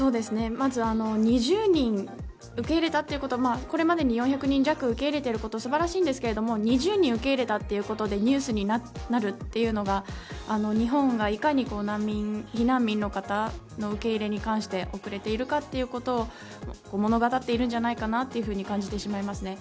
まず２０人受け入れたということは、これまでに４００人弱受け入れていること素晴らしいんですが２０人受け入れたということでニュースになるというのが日本が、いかに難民の方の受け入れに関して遅れているかということを物語っているんじゃないかなと感じてしまいます。